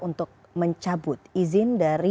untuk mencabut izin dan kebenaran